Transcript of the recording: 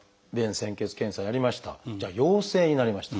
じゃあ陽性になりました。